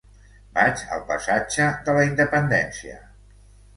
Vaig al passatge de la Independència.